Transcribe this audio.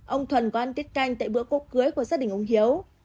ông thuần có ăn tiết canh tại bữa cốt cưới của gia đình ông hiếu